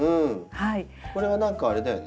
これは何かあれだよね。